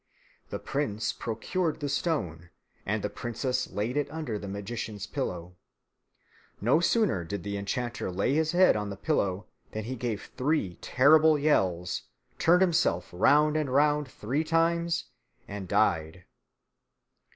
The prince procured the stone, and the princess laid it under the magician's pillow. No sooner did the enchanter lay his head on the pillow than he gave three terrible yells, turned himself round and round three times, and died.